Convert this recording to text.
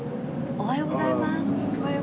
おはようございます。